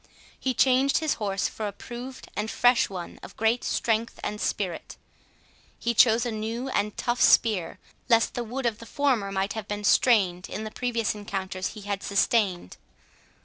He changed his horse for a proved and fresh one of great strength and spirit. He chose a new and a tough spear, lest the wood of the former might have been strained in the previous encounters he had sustained.